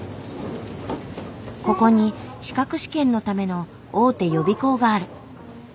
ここに資格試験のための大手予備校がある。